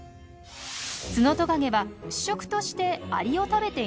ツノトカゲは主食としてアリを食べていましたよね？